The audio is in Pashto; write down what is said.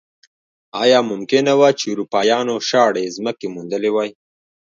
ایا ممکنه وه چې اروپایانو شاړې ځمکې موندلی وای.